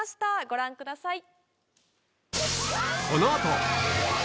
ご覧ください。